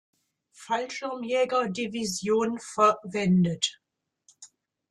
Fallschirmjäger-Division verwendet.